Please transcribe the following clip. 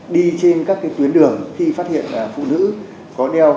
đi trên các tuyến đường khi phát hiện phụ nữ có đeo biển số giả